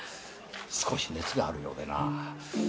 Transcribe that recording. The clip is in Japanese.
少し熱があるようでな。